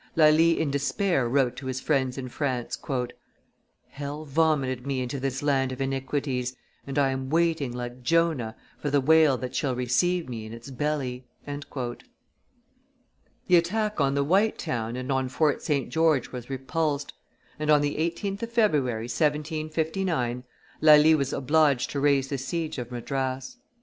Lally in despair wrote to his friends in France, "Hell vomited me into this land of iniquities, and I am waiting, like Jonah, for the whale that shall receive me in its belly." The attack on the White Town and on Fort St. George was repulsed; and on the 18th of February, 1759, Lally was obliged to raise the siege of Madras.